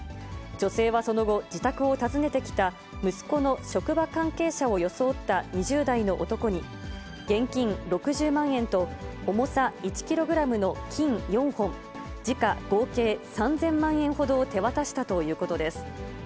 女性はその後、自宅を訪ねてきた、息子の職場関係者を装った２０代の男に、現金６０万円と、重さ１キログラムの金４本、時価合計３０００万円ほどを手渡したということです。